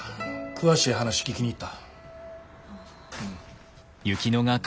詳しい話聞きに行った。